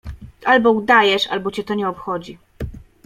» Albo udajesz, albo cię to nie obchodzi.